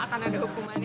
aduh terima kasih